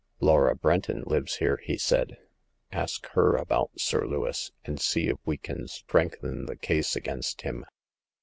"Laura Brenton lives here," he said; "ask her about Sir Lewis, and see if we can strengthen the case against him."